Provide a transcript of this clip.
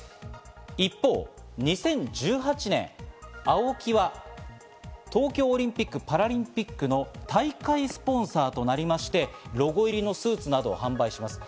一方、２０１８年ＡＯＫＩは東京オリンピック・パラリンピックの大会スポンサーとなりまして、ロゴ入りのスーツなどを販売します。